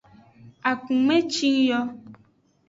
Akume cing yo.